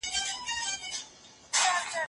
آیا ته غواړې چې د پوهې په لاره کې لاړ سې؟